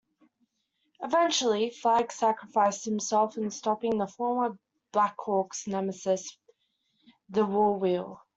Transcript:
Eventually, Flag sacrificed himself in stopping the former Blackhawks' nemesis, the War Wheel.